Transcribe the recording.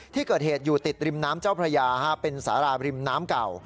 ที่เกิดเหตุอยู่ติดริมน้ำเจ้าพระยาเป็นสาราบริมน้ำเก่า